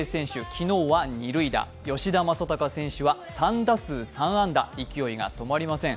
昨日は二塁打、吉田正尚選手は３打数３安打、勢いが止まりません。